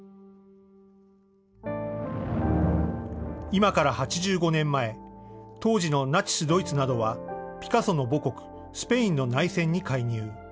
今から８５年前、当時のナチス・ドイツなどはピカソの母国、スペインの大戦に介入。